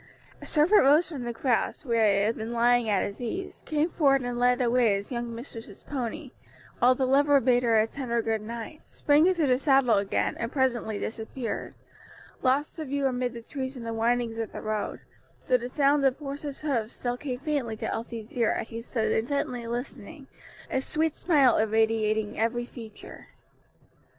A servant rose from the grass, where he had been lying at his ease; came forward and led away his young mistress's pony, while the lover bade her a tender good night, sprang into the saddle again, and presently disappeared, lost to view amid the trees and the windings of the road, though the sound of horse's hoofs still came faintly to Elsie's ear as she stood intently listening, a sweet smile irradiating every feature.